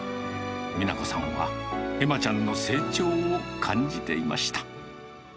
美名子さんは、えまちゃんの成長を感じていました。